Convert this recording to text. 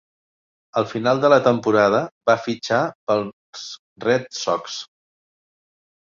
Al final de la temporada, va fitxar pels Red Sox.